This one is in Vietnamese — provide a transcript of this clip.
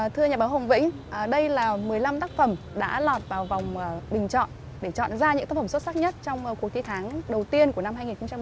thưa nhà báo hồng vĩnh đây là một mươi năm tác phẩm đã lọt vào vòng bình chọn để chọn ra những tác phẩm xuất sắc nhất trong cuộc thi tháng đầu tiên của năm hai nghìn một mươi chín